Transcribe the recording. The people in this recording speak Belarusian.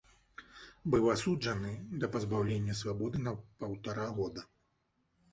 Быў асуджаны да пазбаўлення свабоды на паўтара года.